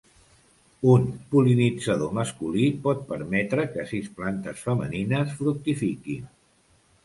Un pol·linitzador masculí pot permetre que sis plantes femenines fructifiquin.